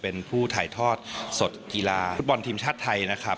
เป็นผู้ถ่ายทอดสดกีฬาฟุตบอลทีมชาติไทยนะครับ